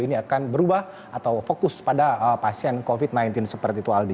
ini akan berubah atau fokus pada pasien covid sembilan belas seperti itu aldi